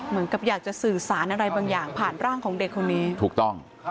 เหมือนกับอยากจะสื่อสารอะไรบางอย่างผ่านร่างของเด็กคนนี้ถูกต้อง